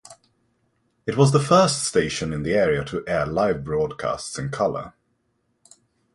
It was the first station in the area to air live broadcasts in color.